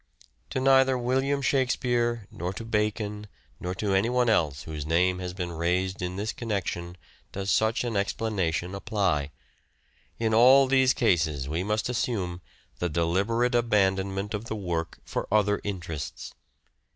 To neither William Shakspere nor to Bacon nor to any one else whose name has been raised in this connection does such an explanation apply. In all these cases we must assume the deliberate abandonment of the work for other interests.